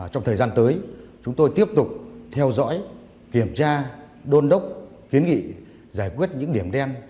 trong thời gian tới chúng tôi tiếp tục theo dõi kiểm tra đôn đốc kiến nghị giải quyết những điểm đen